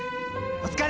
お疲れ！